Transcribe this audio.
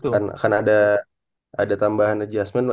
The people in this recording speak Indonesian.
karena ada tambahan adjustment